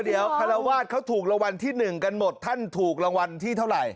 เดี๋ยวคารวาสเขาถูกรางวัลที่๑กันหมดท่านถูกรางวัลที่เท่าไหร่